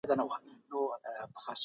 ملي یووالی زمونږ د بریا راز دی.